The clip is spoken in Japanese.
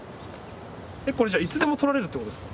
これじゃあいつでも撮られるってことですか？